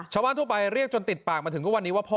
ชาวบ้านทั่วไปเรียกจนติดปากมาถึงผ้าวันนี้ว่า